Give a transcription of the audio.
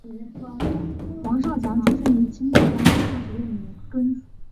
黄少强出生于清代光绪二十六年庚子。